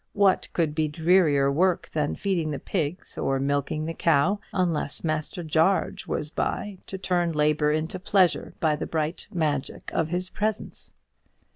What could be drearier work than feeding the pigs, or milking the cow, unless Master Jarge was by to turn labour into pleasure by the bright magic of his presence?